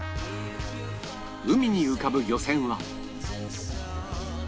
海に浮かぶ漁船は